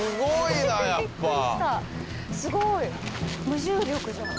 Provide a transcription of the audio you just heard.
「すごい！無重力じゃん」